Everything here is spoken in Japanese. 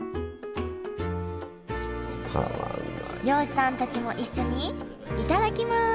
漁師さんたちも一緒に頂きます